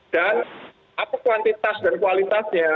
dan apa kualitas dan kuantitasnya